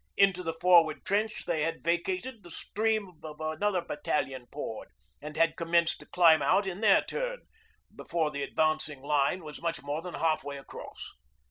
Into the forward trench they had vacated, the stream of another battalion poured, and had commenced to climb out in their turn before the advancing line was much more than half way across.